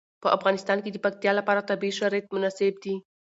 په افغانستان کې د پکتیا لپاره طبیعي شرایط مناسب دي.